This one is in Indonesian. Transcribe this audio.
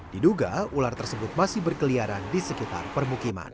diduga ular tersebut masih berkeliaran di sekitar permukiman